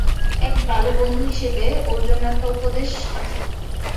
এক ভালো বন্ধু হিসেবে, ওর জন্য একটা উপদেশ আছে।